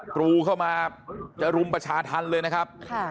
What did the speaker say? กรูเข้ามาจะรุมประชาธรรมเลยนะครับ